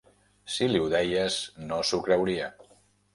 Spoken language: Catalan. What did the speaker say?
Si li ho deies, no s'ho creuria.